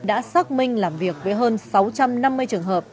đã xác minh làm việc với hơn sáu trăm năm mươi trường hợp